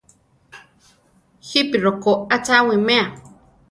¿Jípi rokó a cha awimea?